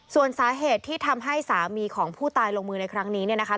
ส่วนสาเหตุที่ทำให้สามีของผู้ตายลงมือในครั้งนี้เนี่ยนะคะ